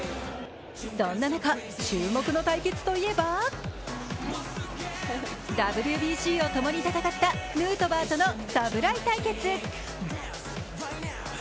そんな中、注目の対決といえばＷＢＣをともに戦ったヌートバーとの侍対決。